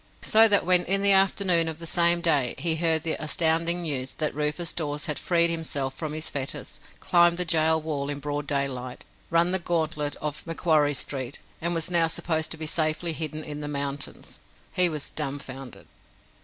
So that, when in the afternoon of that same day he heard the astounding news that Rufus Dawes had freed himself from his fetters, climbed the gaol wall in broad daylight, run the gauntlet of Macquarie Street, and was now supposed to be safely hidden in the mountains, he was dumbfounded.